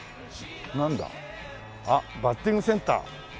なんだ？あっバッティングセンター。